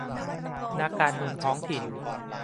นักการเมืองท้องถิ่น